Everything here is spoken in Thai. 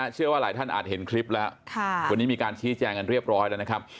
เชื่อว่าหลายท่านอาจเห็นคลิปแล้ววันนี้มีการชี้แจงกันเรียบร้อยแล้วนะครับ